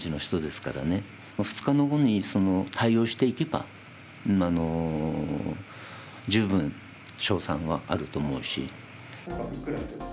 ２日の碁に対応していけば十分勝算はあると思うし。